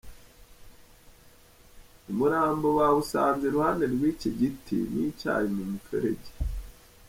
Umurambo bawusanze iruhande rw’iki giti n’icyayi mu muferege